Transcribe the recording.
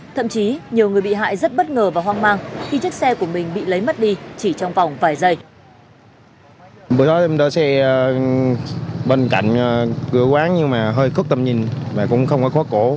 thậm chí nhiều người bị hại rất bất ngờ và hoang mang khi chiếc xe của mình bị lấy mất đi chỉ trong vòng vài giây